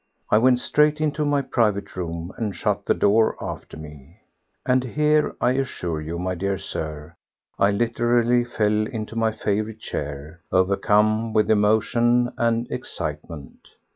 I went straight into my private room and shut the door after me. And here, I assure you, my dear Sir, I literally fell into my favourite chair, overcome with emotion and excitement.